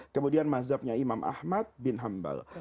kemudian mazhabnya imam ahmad bin hambal